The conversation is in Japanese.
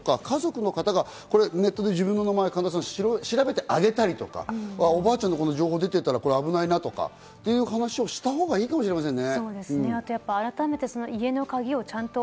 ２人暮らしだった場合、お孫さんとか家族の方がネットで自分の名前を調べてあげたりとか、おばあちゃんの情報が出てたら、これ危ないなとかという話をしたほうがいいかもしれませんね。